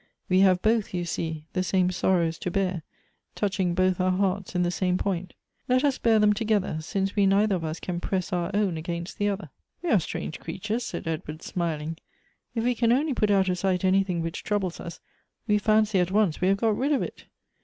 We have both, you see, the same sorrows to bear, touching both our hearts in the same point. Let us bear them together, since we neither of us can press our own against the other." 14 Goethe's " ^e_jTe_strasge_ja:eatiiresJ' said Edward, smiling. " If we can only put out of sight anything which troubles us, we fancy at once we have got rid of it.